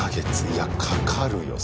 いやかかるよ